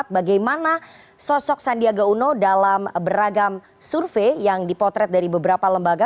bagaimana sosok sandiaga uno dalam beragam survei yang dipotret dari beberapa lembaga